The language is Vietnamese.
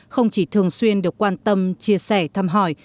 không chỉ thường xuyên được quan tâm chia sẻ thăm hỏi